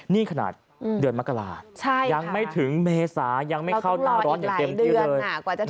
นี่ขนาดเดือนมกรายังไม่ถึงเมษายังไม่เข้าหน้าร้อนอย่างเต็มที่เลย